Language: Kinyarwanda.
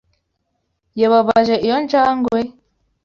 Yababaje iyo njangwe?